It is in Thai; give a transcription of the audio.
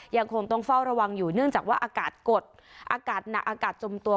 ยังคงต้องเฝ้าระวังอยู่เนื่องจากว่าอากาศกดอากาศหนักอากาศจมตัว